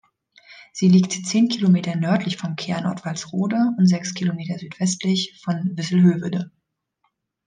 Sie liegt zehn Kilometer nördlich vom Kernort Walsrode und sechs Kilometer südwestlich von Visselhövede.